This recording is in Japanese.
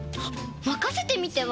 まかせてみては？